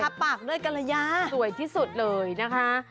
ปากด้วยกรยาสวยที่สุดเลยนะคะ